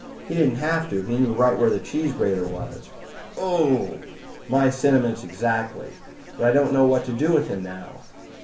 "He didn't have to. He knew right where the cheese grater was." "Ooh!" "My sentiments exactly. But I don't know what to do with him now."